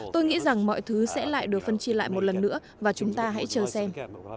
tôi nghĩ rằng mọi thứ sẽ lại được phân chia lại một lần nữa và chúng ta hãy chờ xem